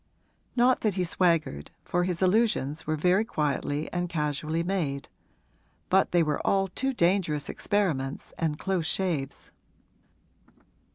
Not that he swaggered, for his allusions were very quietly and casually made; but they were all too dangerous experiments and close shaves.